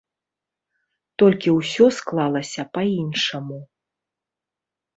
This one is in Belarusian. Толькі ўсё склалася па-іншаму.